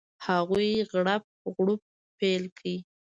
هغوی غړپ غړوپ پیل کړي.